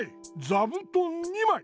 ざぶとん２まい！